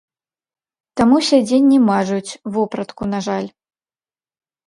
Таму сядзенні мажуць, вопратку, на жаль.